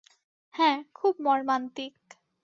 হ্যাঁ, খুব মর্মান্তিক।